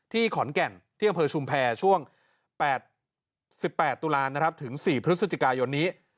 ที่ขอนแก่นที่บำเพชุมแพรช่วง๑๘ตุลานถึง๔พฤศจิกายนนี้